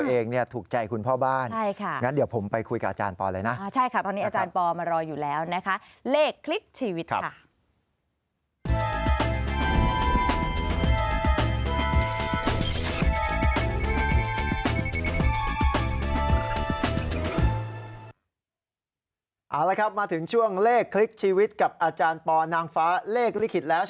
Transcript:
เอาละครับมาถึงช่วงเลขคลิกชีวิตกับอาจารย์ปอนางฟ้าเลขลิขิตแล้ว